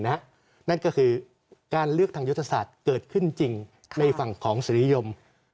นั่นก็คือการเลือกทางยุทธศาสตร์เกิดขึ้นจริงในฝั่งของศิริยม